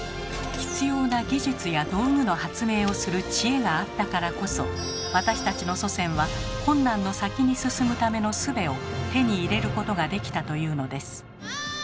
必要な技術や道具の発明をする知恵があったからこそ私たちの祖先は困難の先に進むためのすべを手に入れることができたというのです。